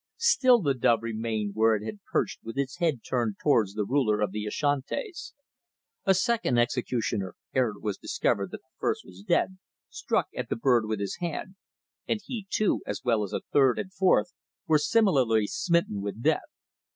Still the dove remained where it had perched with its head turned towards the ruler of the Ashantis. A second executioner, ere it was discovered that the first was dead, struck at the bird with his hand, and he too, as well as a third and fourth, were similarly smitten with death.